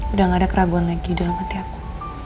udah gak ada keraguan lagi dalam hati aku